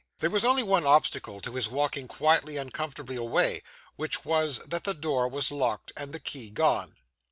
There was only one obstacle to his walking quietly and comfortably away, which was that the door was locked and the key gone.